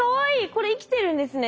これ生きてるんですね。